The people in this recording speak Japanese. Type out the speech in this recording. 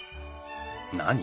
何？